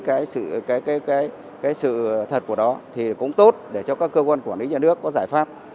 cái sự thật của đó thì cũng tốt để cho các cơ quan quản lý nhà nước có giải pháp